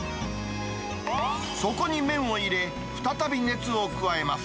そこに麺を入れ、再び熱を加えます。